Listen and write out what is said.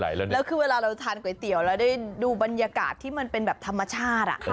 แล้วคือเวลาเราทานก๋วยเตี๋ยวเราได้ดูบรรยากาศที่มันเป็นแบบธรรมชาติ